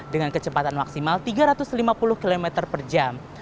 dengan kecepatan maksimal tiga ratus lima puluh km per jam